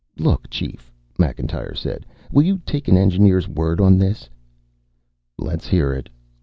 "Look, Chief," Macintyre said. "Will you take an engineer's word on this?" "Let's hear it."